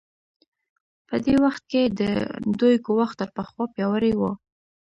په دې وخت کې د دوی ګواښ تر پخوا پیاوړی و.